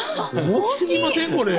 大きすぎませんこれ？